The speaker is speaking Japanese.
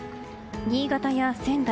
新潟や仙台